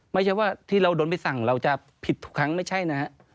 ไม่ใช่ว่าที่เราโดนไปสั่งเราจะผิดทุกครั้งไม่ใช่นะฮะ